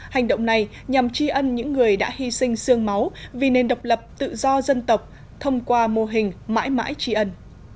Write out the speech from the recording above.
hành động này nhằm tri ân những người đã hy sinh sương máu vì nền độc lập tự do dân tộc thông qua mô hình mãi mãi tri ân